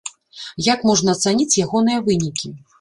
Як можна ацаніць ягоныя вынікі?